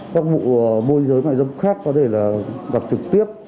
các vụ môi giới mại dâm khác có thể là gặp trực tiếp